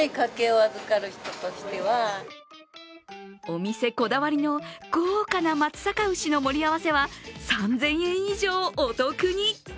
お店こだわりの豪華な松阪牛の盛り合わせは３０００円以上お得に。